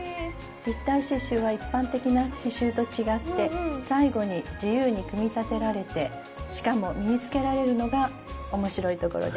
立体刺しゅうは一般的な刺しゅうと違って最後に自由に組み立てられてしかも身につけられるのがおもしろいところです。